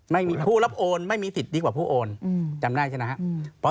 ไม่มีผู้รับโอนไม่มีสิทธิ์ดีกว่าผู้โอนจำได้ใช่ไหมครับ